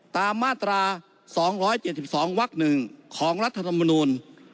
ตามมาตรา๒๗๒วักหนึ่งของรัฐมนตร์